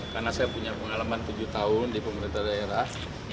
karena saya punya pengalaman tujuh tahun di pemerintah daerah